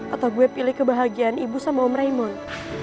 atau gue pilih kebahagiaan ibu sama om raimun